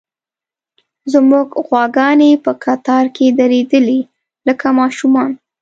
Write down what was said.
زموږ غواګانې په قطار کې درېدلې، لکه ماشومان.